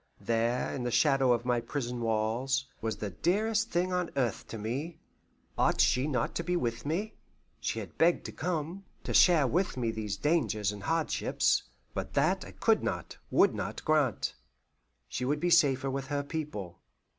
There in the shadow of my prison walls, was the dearest thing on earth to me. Ought she not to be with me? She had begged to come, to share with me these dangers and hardships; but that I could not, would not grant. She would be safer with her people.